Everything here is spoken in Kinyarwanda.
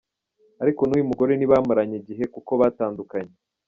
Ariko n’uyu mugore ntibamaranye igihe, kuko batandukanye.